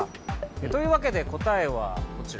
というわけで答えはこちら。